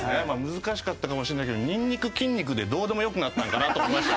難しかったかもしれないけど「ニンニク筋肉」でどうでもよくなったんかなと思いました。